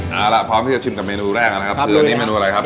เอาล่ะพร้อมที่จะชิมกับเมนูแรกนะครับคืออันนี้เมนูอะไรครับ